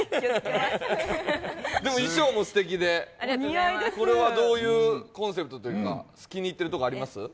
衣装もすてきで、これはどういうコンセプトというか気に入っているところあります？